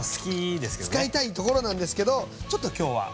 使いたいところなんですけどちょっと今日は。